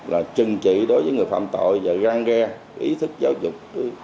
là trừng trị đối với người phạm tội và răng ghe ý thức giáo dục